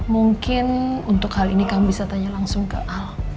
mungkin untuk hal ini kami bisa tanya langsung ke al